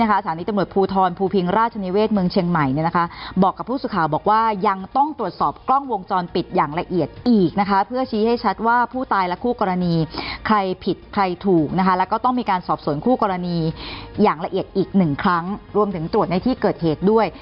ใครผิดใครถูกนะคะแล้วก็ต้องมีการสอบสนคู่กรณีอย่างละเอียดอีก๑ครั้งรวมถึงตรวจในที่เกิดเหตุด้วย